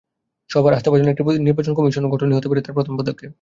সবার আস্থাভাজন একটি নির্বাচন কমিশন গঠনই হতে পারে তার প্রথম পদক্ষেপ।